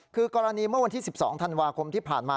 คือกรณีเมื่อวันที่๑๒ธันวาคมที่ผ่านมา